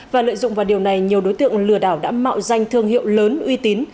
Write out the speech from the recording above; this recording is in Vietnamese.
và lợi dụng vào điều này nhiều đối tượng lừa đảo đã mạo danh thương hiệu lớn uy tín